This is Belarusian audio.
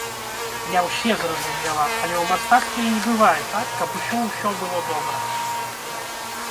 Не ўсе, зразумела, але ў мастацтве і не бывае так, каб усё-ўсё было добра.